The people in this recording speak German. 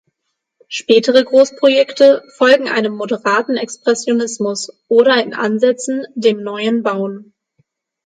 Spätere Großprojekte folgen einem moderaten Expressionismus oder in Ansätzen dem Neuen Bauen.